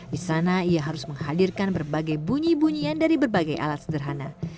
di sana ia harus menghadirkan berbagai bunyi bunyian dari berbagai alat sederhana